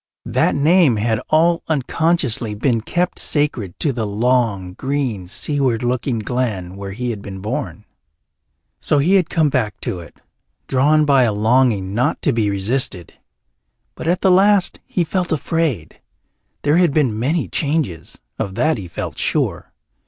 That name had all unconsciously been kept sacred to the long, green, seaward looking glen where he had been born. So he had come back to it, drawn by a longing not to be resisted. But at the last he felt afraid. There had been many changes, of that he felt sure.